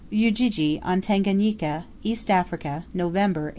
Ujiji, on Tanganika, East Africa, November, 1871.